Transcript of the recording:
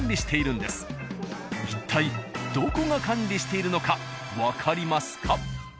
［いったいどこが管理しているのか分かりますか？］